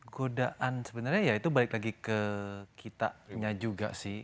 godaan sebenarnya ya itu balik lagi ke kitanya juga sih